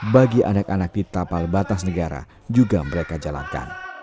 bagi anak anak di tapal batas negara juga mereka jalankan